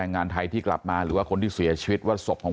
งานไทยที่กลับมาหรือว่าคนที่เสียชีวิตว่าศพของ